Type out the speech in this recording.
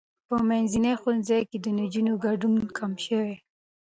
په منځني ښوونځي کې د نجونو ګډون کم شوی.